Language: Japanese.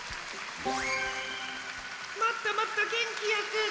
もっともっとげんきよく！